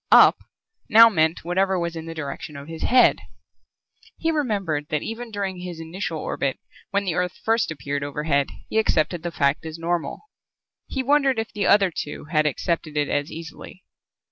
"Up" now meant whatever was in the direction of his head. He remembered that even during his initial orbit when the Earth first appeared overhead he accepted the fact as normal. He wondered if the other two had accepted it as easily.